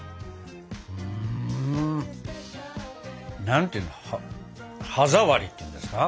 何ていうの歯触りっていうんですか？